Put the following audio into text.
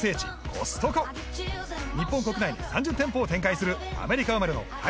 ・コストコ日本国内に３０店舗を展開するアメリカ生まれの会員制